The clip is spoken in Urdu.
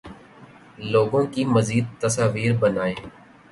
لوگوں کی مزید تصاویر بنائیں